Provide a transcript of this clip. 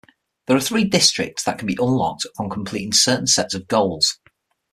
There are three districts that can be unlocked upon completing certain sets of goals.